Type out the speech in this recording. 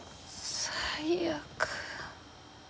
最悪。